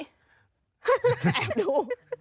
แอบดู